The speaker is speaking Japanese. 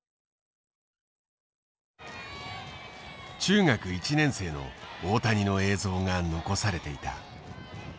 中学１年生の大谷の映像が残されていた。